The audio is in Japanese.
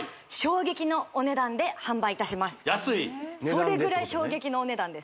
それぐらい衝撃のお値段です